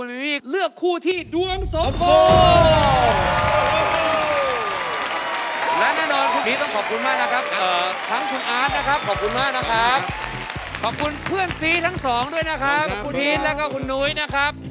แต่หนูว่าเขายังโตได้มากกว่านี้ค่ะ